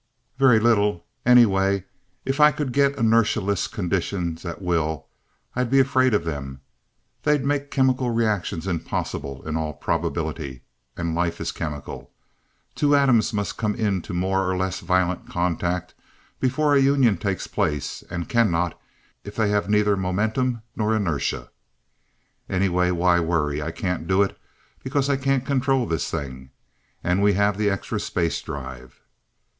"Very little. Anyway, if I could get inertialess conditions at will, I'd be afraid of them. They'd make chemical reactions impossible in all probability and life is chemical. Two atoms must come into more or less violent contact before a union takes place, and cannot if they have neither momentum nor inertia. "Anyway why worry. I can't do it, because I can't control this thing. And we have the extra space drive."